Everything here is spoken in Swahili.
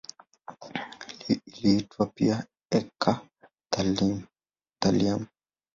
Iliitwa pia eka-thallium.